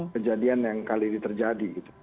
kejadian yang kali ini terjadi